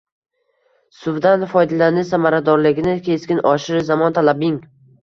Suvdan foydalanish samaradorligini keskin oshirish – zamon talabing